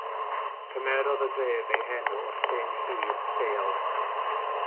Cymerodd y dref ei henw o'r llyn hir lleol.